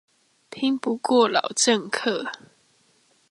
拼不過老政客